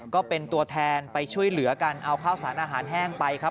ก็เป็นตัวแทนไปช่วยเหลือกันเอาข้าวสารอาหารแห้งไปครับ